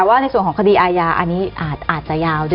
แต่ว่าในส่วนของคดีอาญาอันนี้อาจจะยาวด้วย